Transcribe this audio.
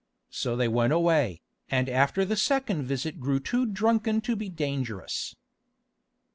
So they went away, and after the second visit grew too drunken to be dangerous.